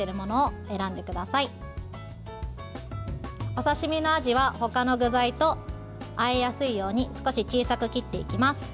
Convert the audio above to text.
お刺身のあじは他の具材とあえやすいように少し小さく切っていきます。